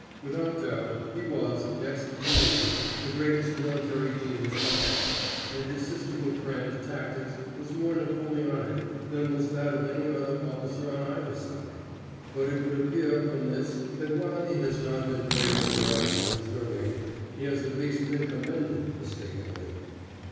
Without doubt he was, next to Lee, the greatest military genius we had, and his system of grand tactics was more Napoleonic than was that of any other officer on either side; but it would appear from this that while he has not been praised beyond his deserving, he has at least been commended mistakenly.